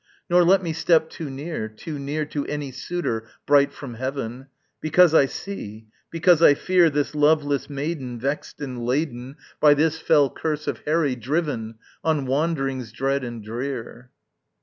Nor let me step too near too near To any suitor, bright from heaven: Because I see, because I fear This loveless maiden vexed and laden By this fell curse of Heré, driven On wanderings dread and drear.